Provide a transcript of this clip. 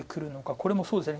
これもそうですね。